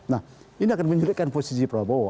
nah ini akan menyulitkan posisi prabowo